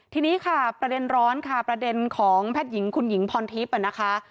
ทีนี้ค่ะประเด็นร้อนค่ะประเด็นของแพทย์หญิงคุณหญิงพรทิพย์นะคะ